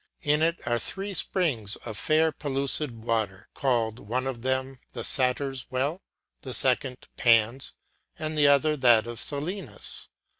In it are three springs of fair pellucid water, called, one of them the satyrs' well, the second Pan's, and the other that of Silenus.